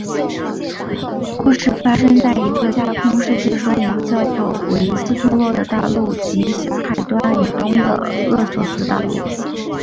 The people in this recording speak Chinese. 故事发生在一个架空世界中一个叫做维斯特洛的大陆及其狭海对岸以东的厄索斯大陆。